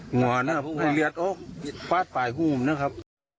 หงวานะครับพวกมันเหลียดโอ๊คป๊าดป่ายหุ้มนะครับ